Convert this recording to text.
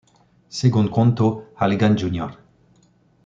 Según contó Halligan Jr.